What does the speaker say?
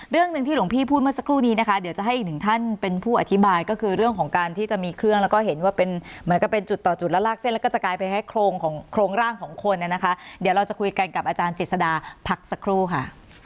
เรื่องหนึ่งที่หลวงพี่พูดเมื่อสักครู่นี้นะคะเดี๋ยวจะให้อีกหนึ่งท่านเป็นผู้อธิบายก็คือเรื่องของการที่จะมีเครื่องแล้วก็เห็นว่าเป็นเหมือนกับเป็นจุดต่อจุดแล้วลากเส้นแล้วก็จะกลายเป็นแค่โครงของโครงร่างของคนเนี่ยนะคะเดี๋ยวเราจะคุยกันกับอาจารย์เจษดาพักสักครู่ค่ะ